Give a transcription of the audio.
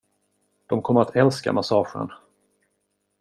De kommer att älska massagen.